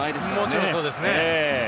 もちろんそうですね。